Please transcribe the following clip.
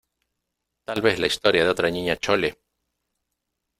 ¡ tal vez la historia de otra Niña Chole!